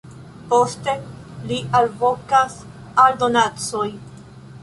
Poste, li alvokas al donacoj.